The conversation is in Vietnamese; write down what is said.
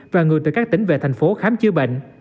và người từ các tỉnh về thành phố khám chữa bệnh